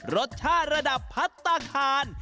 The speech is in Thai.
รสชาติระดับพัฒนาคาร